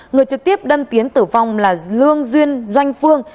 người trực tiếp đâm tiến tử vong là lương duyên doanh phương